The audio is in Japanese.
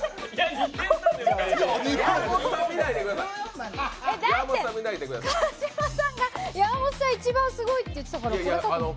だって川島さんが山本さん一番すごいって言ってたからそれかと。